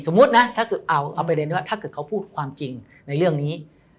สมมุตินะถ้าเกิดเขาพูดความจริงในเรื่องนี้